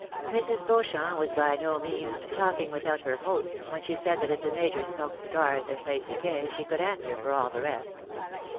Mrs. Beauchamp was by no means " talking without her host," when she said that if the major smoked cigars, and played piquet, she could answer for all the rest.